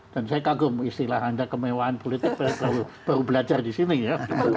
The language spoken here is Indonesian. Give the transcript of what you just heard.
dan saya kagum istilah anda kemewahan politik baru belajar di sini ya